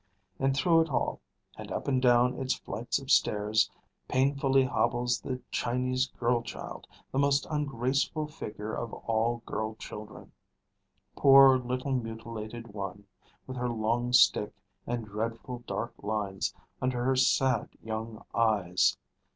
And through it all, and up and down its flights of stairs, painfully hobbles the Chinese girl child, the most ungraceful figure of all girl children, poor little mutilated one, with her long stick and dreadful dark lines under her sad young eyes!